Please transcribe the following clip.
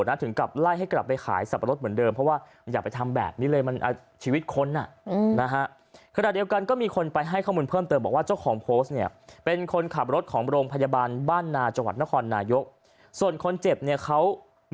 น่ะถึงกลับไล่ให้กลับไปขายสับรดเหมือนเดิมเพราะว่าอย่า